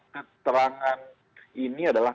keterangan ini adalah